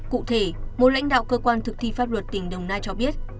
cụ thể một lãnh đạo cơ quan thực thi pháp luật tỉnh đồng nai cho biết